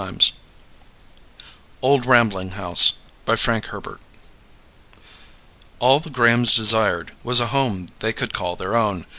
net Old Rambling House By FRANK HERBERT _All the Grahams desired was a home they could call their own